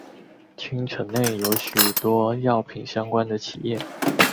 町域内有许多药品相关的企业。